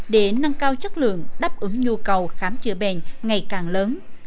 để nâng cao chất lượng đáp ứng nhu cầu khám chữa bệnh ngày càng lớn